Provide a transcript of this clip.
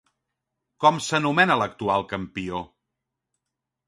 Com s'anomena l'actual campió?